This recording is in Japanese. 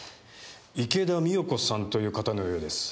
池田美代子さんという方のようです。